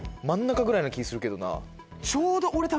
な気するけどな。